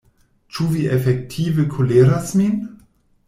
Ĉu vi efektive koleras min?